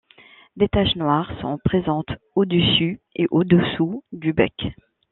Des taches noires sont présentes au-dessus et au-dessous du bec.